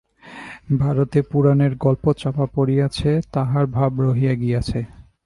ভারতে পুরাণের গল্প চাপা পড়িয়াছে, তাহার ভাব রহিয়া গিয়াছে।